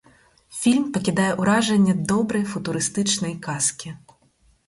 Фільм пакідае ўражанне добрай футурыстычнай казкі.